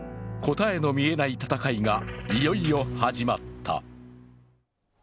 答えの見えない闘いがいよいよ始まった。